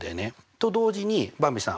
と同時にばんびさん